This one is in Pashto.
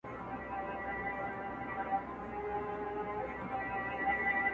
د خټین او د واورین سړک پر غاړه!!